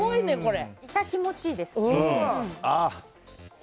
痛気持ちいいですね。